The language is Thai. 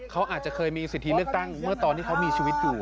เขาอาจจะเคยมีสิทธิเลือกตั้งเมื่อตอนที่เขามีชีวิตอยู่